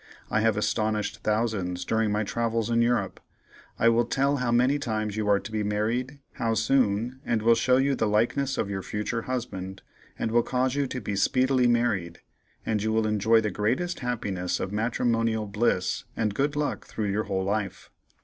I have astonished thousands during my travels in Europe. I will tell how many times you are to be married, how soon, and will show you the likeness of your future husband, and will cause you to be speedily married, and you will enjoy the greatest happiness of matrimonial bliss and good luck through your whole life.